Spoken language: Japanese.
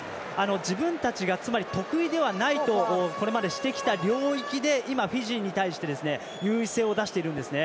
自分たちがつまり得意ではないとこれまで、してきた領域で今、フィジーに対して優位性を出しているんですね。